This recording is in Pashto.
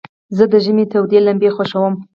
زه د ژمي تودي لمبي خوښوم.